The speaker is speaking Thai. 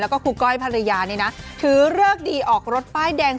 แล้วก็ครูก้อยภรรยานี่นะถือเลิกดีออกรถป้ายแดง